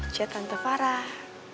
chat tante farah